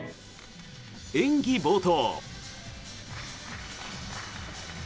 演技冒頭。